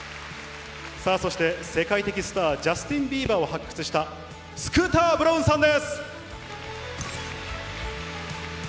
そして世界的スター、ジャスティン・ビーバーを発掘した、スクーター・ブロウンさんです。